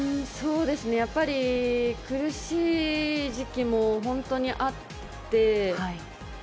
やっぱり、苦しい時期も本当にあって。